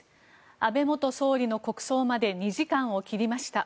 安倍元総理の国葬まで２時間を切りました。